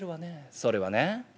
それはね